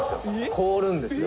「凍るんですよ。